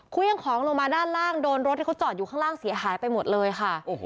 เครื่องของลงมาด้านล่างโดนรถที่เขาจอดอยู่ข้างล่างเสียหายไปหมดเลยค่ะ